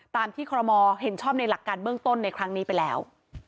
ตามที่คอรมอลเห็นชอบในหลักการเบื้องต้นในครั้งนี้ไปแล้ว